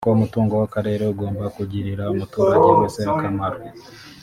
kuko umutungo w’akarere ugomba kugirira umuturage wese akamaro